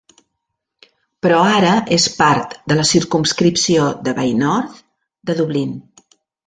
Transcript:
Però ara és part de la circumscripció de Bay North de Dublín.